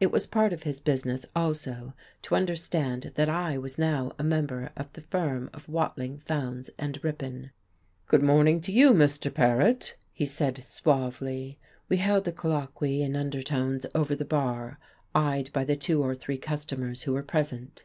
It was part of his business, also, to understand that I was now a member of the firm of Watling, Fowndes and Ripon. "Good morning to you, Mr. Paret," he said suavely. We held a colloquy in undertones over the bar, eyed by the two or three customers who were present.